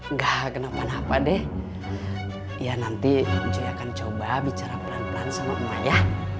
enggak kenapa napa deh ya nanti saya akan coba bicara pelan pelan sama mama ya